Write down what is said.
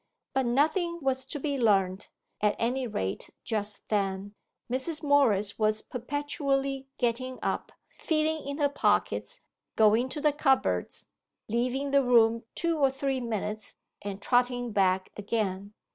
But nothing was to be learnt, at any rate just then. Mrs. Morris was perpetually getting up, feeling in her pockets, going to cupboards, leaving the room two or three minutes, and trotting back again.